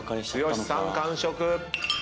剛さん完食。